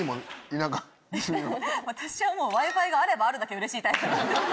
私はもうＷｉ−Ｆｉがあればあるだけうれしいタイプなんで。